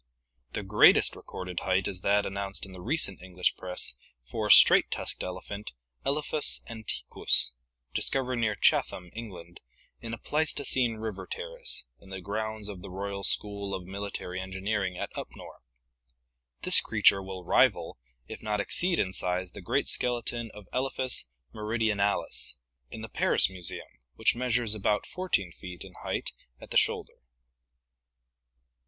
The greatest recorded height is that announced in the recent English press for a straight tusked ele phant, Elephas anliquus, discovered near Chatham, England, in a Pleistocene river terrace in the grounds of the Royal School of Military Engineering at Upnor. This creature will rival, if not exceed in size the great skeleton of Elephas meridionalis in the Paris Museum, which measures about 14 feet in height at the shoulder.